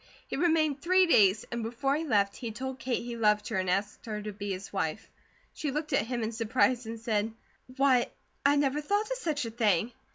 He remained three days, and before he left he told Kate he loved her, and asked her to be his wife. She looked at him in surprise and said: "Why, I never thought of such a thing!